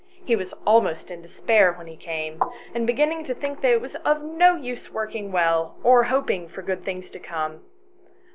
He was almost in despair when he came, and beginning to think that it was of no use working well, or hoping for good things to come.